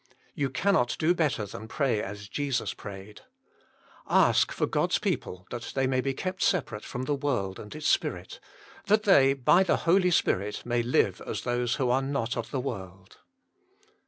You cannot do better than pray as Jesus prayed. Ask for God s people that they may be kept separate from the world and its spirit ; that they, by the Holy Spirit, may live as those who are not of the world.